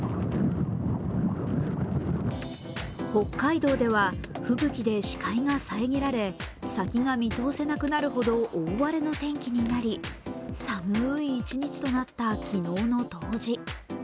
北海道では吹雪で視界が遮られ先が見通せなくなるほど大荒れの天気になり、寒い一日となった昨日の冬至。